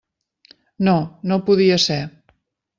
No, no podia ser.